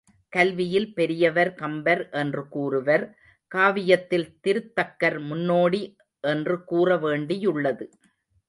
கல்வியில் பெரியவர் கம்பர் என்று கூறுவர் காவியத்தில் திருத்தக்கர் முன்னோடி என்று கூற வேண்டியுள்ளது.